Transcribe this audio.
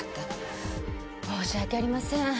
申し訳ありません。